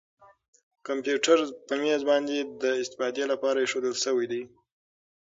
کمپیوټر په مېز باندې د استفادې لپاره اېښودل شوی دی.